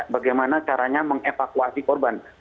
bagaimana caranya mengevakuasi korban